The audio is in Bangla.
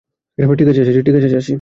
ঠিক আছে চাচী।